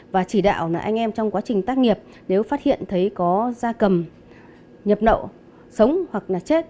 và chỉ đạo anh em trong quá trình tác nghiệp nếu phát hiện thấy có da cầm nhập nậu sống hoặc là chết